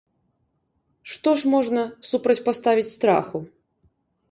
Што ж можна супрацьпаставіць страху?